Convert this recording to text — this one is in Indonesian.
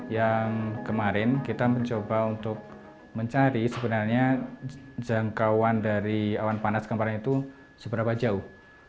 yang kemarin kita mencoba untuk mencari sebenarnya jangkauan dari awan panas kemarin itu seberapa jauh